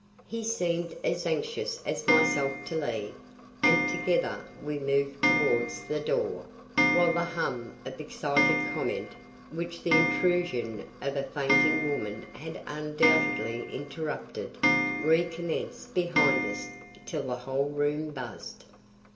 He seemed as anxious as myself to leave and together we moved towards the door, while the hum of excited comment which the intrusion of a fainting woman had undoubtedly interrupted, recommenced behind us till the whole room buzzed.